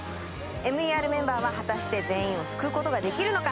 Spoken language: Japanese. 「ＭＥＲ」メンバーは果たして全員を救うことができるのか。